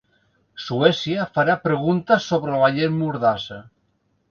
Suècia farà preguntes sobre la llei mordassa.